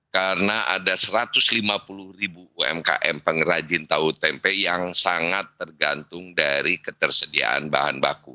karena ada satu ratus lima puluh ribu umkm pengrajin tahu tempe yang sangat tergantung dari ketersediaan bahan baku